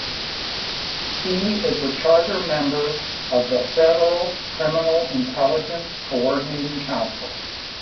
He is a charter member of the federal Criminal Intelligence Coordinating Council.